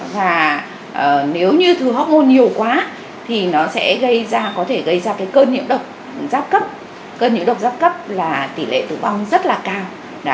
và nếu như thừa hốc môn nhiều quá thì nó có thể gây ra cơ nhịp độc giáp cấp cơ nhịp độc giáp cấp là tỷ lệ tử vong rất là cao